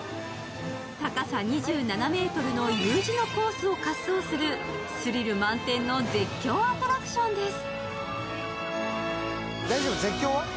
高さ２７ｍのＵ字のコースを滑走するスリル満点の絶叫アトラクションです。